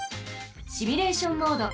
シミュレーション・モード。